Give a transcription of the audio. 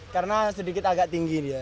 karena sedikit agak tinggi dia